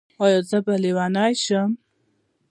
ایا زه به لیونۍ شم؟